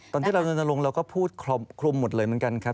ตอนที่เราลนลงเราก็พูดคลุมหมดเลยเหมือนกันครับ